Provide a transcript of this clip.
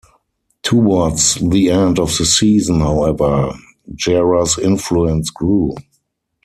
Towards the end of the season, however, Gera's influence grew.